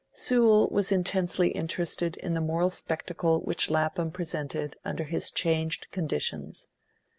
Sewell was intensely interested in the moral spectacle which Lapham presented under his changed conditions.